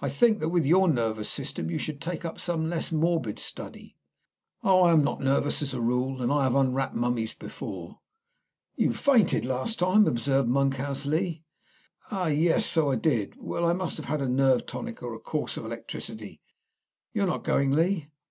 I think that with your nervous system you should take up some less morbid study." "Oh, I am not nervous as a rule; and I have unwrapped mummies before." "You fainted last time," observed Monkhouse Lee. "Ah, yes, so I did. Well, I must have a nerve tonic or a course of electricity. You are not going, Lee?"